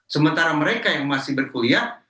sementara mereka yang masih berkuliah